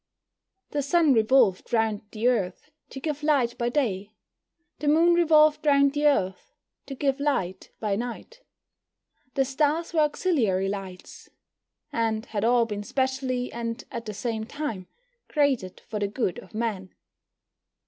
The Sun revolved round the Earth to give light by day, the Moon revolved round the Earth to give light by night. The stars were auxiliary lights, and had all been specially, and at the same time, created for the good of man.